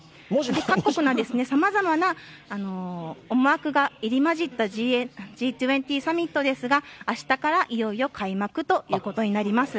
各国のさまざまな思惑が入り混じったＧ２０サミットですが、あしたからいよいよ開幕ということになります。